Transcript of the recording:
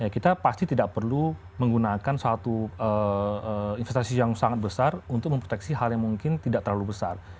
kita pasti tidak perlu menggunakan satu investasi yang sangat besar untuk memproteksi hal yang mungkin tidak terlalu besar